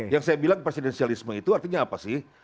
yang saya bilang presidensialisme itu artinya apa sih